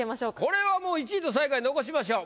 これは１位と最下位残しましょう。